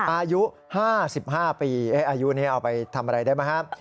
อายุ๕๕ปีอายุนี้เอาไปทำอะไรได้ไหมครับ